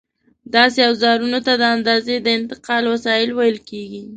داسې اوزارونو ته د اندازې د انتقال وسایل ویل کېږي.